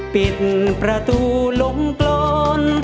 ปิดประตูลงกรอน